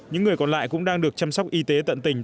những người còn lại cũng đang được chăm sóc y tế tận tình